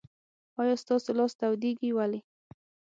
آیا ستاسو لاس تودیږي؟ ولې؟